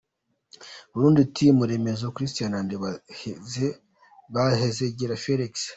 Burundi Team : Remezo Christian& Bahezagire Felix.